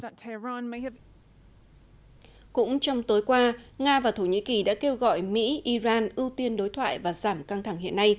cũng trong tối qua nga và thổ nhĩ kỳ đã kêu gọi mỹ iran ưu tiên đối thoại và giảm các vấn đề